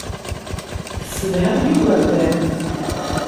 Tessedhamt igerdan.